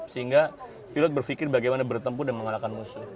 sehingga pilot berpikir bagaimana bertempur dan mengalahkan musuh